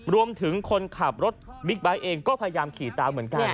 คนขับรถบิ๊กไบท์เองก็พยายามขี่ตามเหมือนกัน